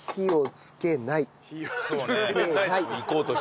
つけないよ。